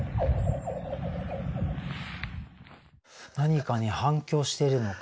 何かに反響しているのか。